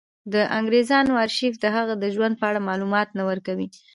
د انګرېزانو ارشیف د هغه د ژوند په اړه معلومات نه ورکوي.